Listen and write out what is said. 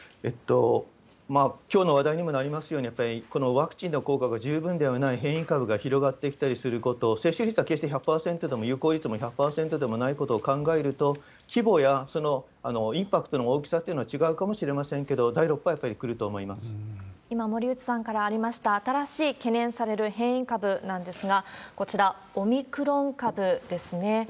きょうの話題にもなりますように、やっぱりこのワクチンの効果が十分ではない変異株が広がってきたりすること、接種率は決して１００％でも有効率も１００％でもないことを考えると、規模や、そのインパクトの大きさというのは違うかもしれませんけれども、今、森内さんからありました、新しい懸念される変異株なんですが、こちら、オミクロン株ですね。